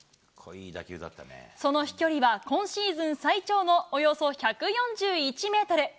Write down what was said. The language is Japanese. その飛距離は、今シーズン最長のおよそ１４１メートル。